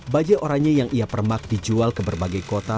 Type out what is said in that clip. bajai oranye yang ia permak dijual ke berbagai kota